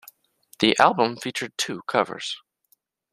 The album featured two covers.